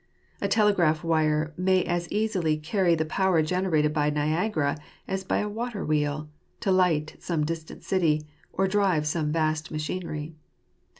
A telegraph wire may as easily carry the power generated by a Niagara as by a water wheel, to light some distant city, or drive some vast machinery.